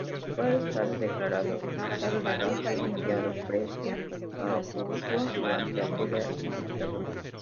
Fue arrestado, degradado, dado de baja y enviado preso a Ushuaia durante aquella dictadura.